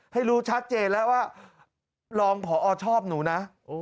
ให้รู้ชัดเจนแล้วว่ารองพอชอบหนูนะ